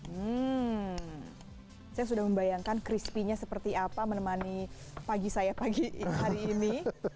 hmm saya sudah membayangkan crispy nya seperti apa menemani pagi saya pagi hari ini